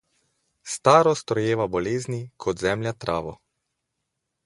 Starost rojeva bolezni kot zemlja travo.